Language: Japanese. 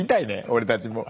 俺たちも。